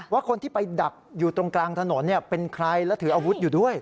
ว่าคนที่ไปดักอยู่ตรงกลางถนนเป็นใครและถืออาวุธอยู่ด้วย